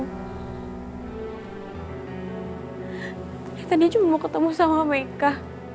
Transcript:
ternyata dia cuma mau ketemu sama mereka